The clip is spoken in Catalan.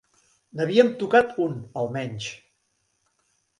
N'havíem tocat un, almenys